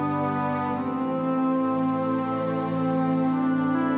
sudah ada one multi